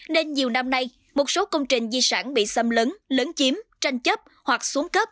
nên nhiều năm nay một số công trình di sản bị xâm lấn lấn chiếm tranh chấp hoặc xuống cấp